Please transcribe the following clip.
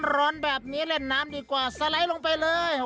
ร้อนแบบนี้เล่นน้ำดีกว่าสไลด์ลงไปเลย